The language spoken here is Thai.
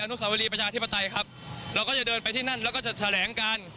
นุสาวรีประชาธิปไตยครับเราก็จะเดินไปที่นั่นแล้วก็จะแถลงการ